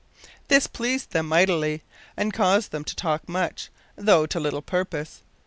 This pleased them mightily, and caused them to talk much, though to little purpose.